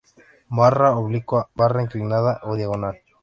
Barra oblicua, barra inclinada o diagonal